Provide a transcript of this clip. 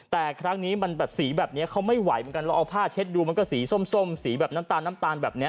แต่ครั้งนี้มันแบบสีแบบนี้เขาไม่ไหวเหมือนกันเราเอาผ้าเช็ดดูมันก็สีส้มสีแบบน้ำตาลน้ำตาลแบบนี้